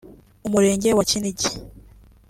Umurenge wa Kinigi